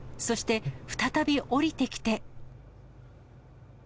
そして、再び降りてきて。